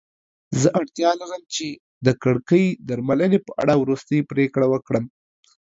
زه اړتیا لرم چې د کړکۍ درملنې په اړه وروستۍ پریکړه وکړم.